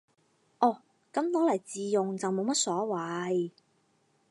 哦，噉攞嚟自用就冇乜所謂